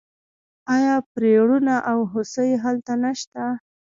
آیا پریړونه او هوسۍ هلته نشته؟